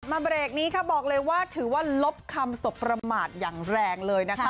เบรกนี้ค่ะบอกเลยว่าถือว่าลบคำสบประมาทอย่างแรงเลยนะคะ